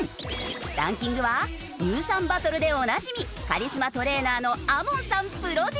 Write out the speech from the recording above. ランキングは乳酸バトルでおなじみカリスマトレーナーのＡＭＯＮさんプロデュース。